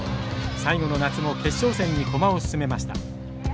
最後の夏も決勝戦に駒を進めました。